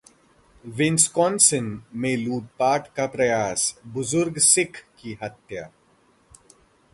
Wisconsin में लूटपाट का प्रयास, बुजुर्ग सिख की हत्या